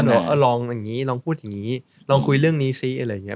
ใช่เขาปั้นได้ลองพูดอย่างนี้ลองคุยเรื่องนี้ซิ